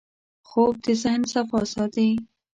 خوب د ذهن صفا ساتي